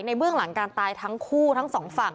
เบื้องหลังการตายทั้งคู่ทั้งสองฝั่ง